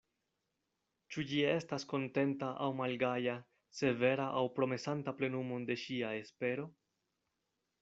Ĉu ĝi estas kontenta aŭ malgaja, severa aŭ promesanta plenumon de ŝia espero?